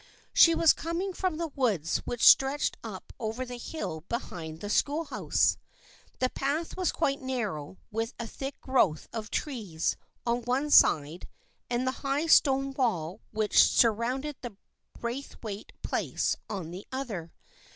She was coming from the woods which stretched up over the hill behind the schoolhouse. The path was quite narrow with a thick growth of trees on one side and the high stone wall which sur rounded the Braithwaite place on the other.